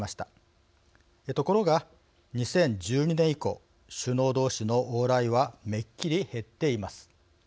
ところが２０１２年以降首脳同士の往来はめっきり減っています。